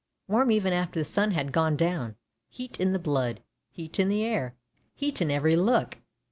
Warm even after the sun had gone down — heat in the blood, heat in the air, heat in every look!